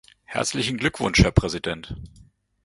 Herzlichen Glückwunsch, Herr Präsident!